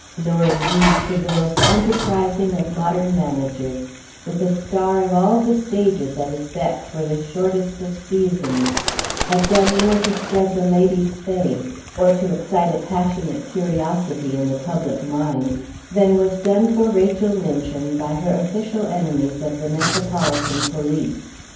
Nor, indeed, could the most enterprising of modern managers, with the star of all the stages at his beck for the shortest of seasons, have done more to spread the lady's fame, or to excite a passionate curiosity in the public mind, than was done for Rachel Minchin by her official enemies of the Metropolitan Police.